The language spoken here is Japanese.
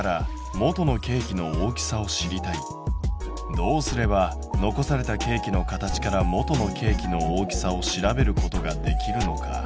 どうすれば残されたケーキの形から元のケーキの大きさを調べることができるのか？